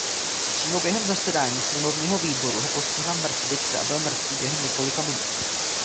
Přímo během zasedání sněmovního výboru ho postihla mrtvice a byl mrtvý během několika minut.